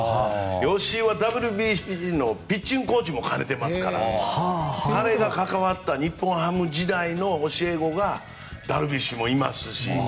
吉井はＷＢＣのピッチングコーチも兼ねていますから彼が関わった日本ハム時代の教え子にダルビッシュもいますし。